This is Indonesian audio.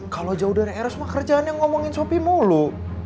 kalau jauh dari eros mah kerjaannya ngomongin sopi mulu